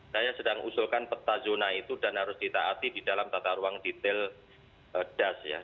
saya sedang usulkan peta zona itu dan harus ditaati di dalam tata ruang detail das ya